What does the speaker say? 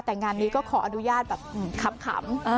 แต่งานนี้ก็ขออนุญาตแบบขำ